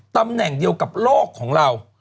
ตำแหน่งเดียวกับโลกของเรา